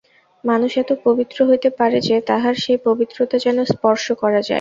মানুষ এত পবিত্র হইতে পারে যে, তাহার সেই পবিত্রতা যেন স্পর্শ করা যায়।